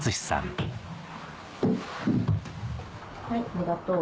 はいありがとう。